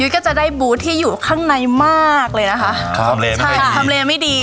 อืมก็จะได้บู๊ดที่อยู่ข้างในมากเลยนะคะค่ะค่ะทำเลไม่ดี